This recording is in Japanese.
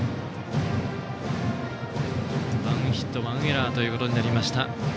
ワンヒットワンエラーとなりました。